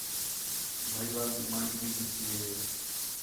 بھائیوال تی مانی بھی ݙِتی ہے